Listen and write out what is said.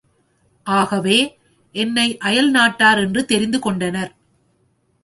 ஆகவே, என்னை அயல்நாட்டார் என்று தெரிந்து கொண்டனர்.